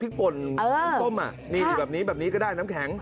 พริกป่นต้มอะแบบนี้ก็ได้น้ำแข็ง